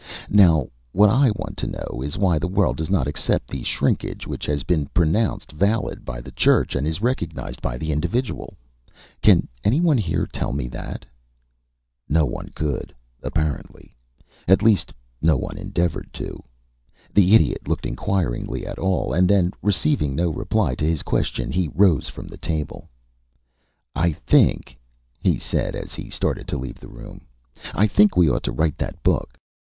Now what I want to know is why the world does not accept the shrinkage which has been pronounced valid by the church and is recognized by the individual? Can any one here tell me that?" [Illustration: "DEMANDS TICKETS FOR TWO"] No one could, apparently. At least no one endeavored to. The Idiot looked inquiringly at all, and then, receiving no reply to his question, he rose from the table. "I think," he said, as he started to leave the room "I think we ought to write that book.